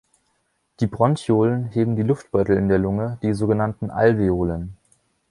Die Bronchiolen heben die Luftbeutel in der Lunge, die sogenannten Alveolen.